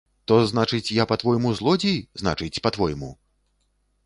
То, значыць, я, па-твойму, злодзей, значыць, па-твойму?